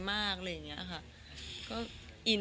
จะรักเธอเพียงคนเดียว